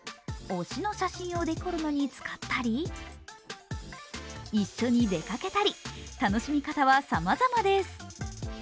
推しの写真をデコるのに使ったり一緒に出かけたり、楽しみ方はさまざまです。